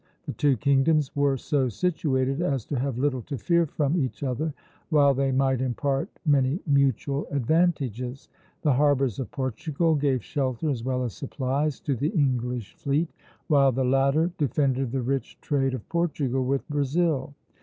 The two kingdoms were so situated as to have little to fear from each other, while they might impart many mutual advantages. The harbors of Portugal gave shelter as well as supplies to the English fleet, while the latter defended the rich trade of Portugal with Brazil.